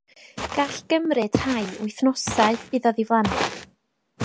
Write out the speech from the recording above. Gall gymryd rhai wythnosau iddo ddiflannu.